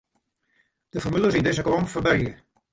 De formules yn dizze kolom ferbergje.